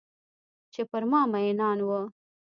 چې پر ما میینان وه